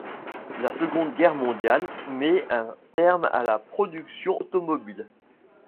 La Seconde Guerre mondiale met un terme à la production automobile.